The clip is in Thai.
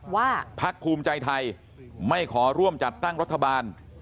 พักภูมิใจไทยไม่ขอร่วมจัดตั้งรัฐบาล